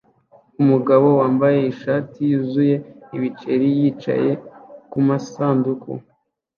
Umugabo wambaye ishati yuzuye ibiceri yicaye kumasanduku